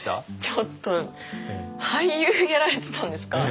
ちょっと俳優やられてたんですか？